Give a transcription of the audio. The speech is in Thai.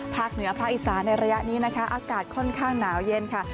เหนือภาคอีสานในระยะนี้นะคะอากาศค่อนข้างหนาวเย็นค่ะ